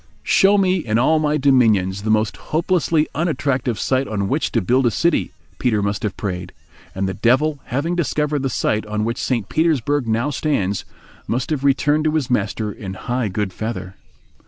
"Show me in all my dominions the most hopelessly unattractive site on which to build a city," Peter must have prayed; and the Devil having discovered the site on which St. Petersburg now stands, must have returned to his master in high good feather.